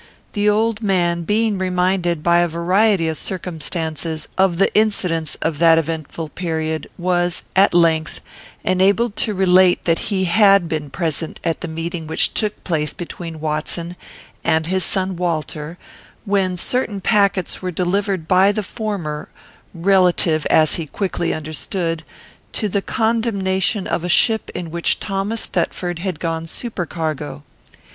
"The old man, being reminded, by a variety of circumstances, of the incidents of that eventful period, was, at length, enabled to relate that he had been present at the meeting which took place between Watson and his son Walter, when certain packets were delivered by the former, relative, as he quickly understood, to the condemnation of a ship in which Thomas Thetford had gone supercargo.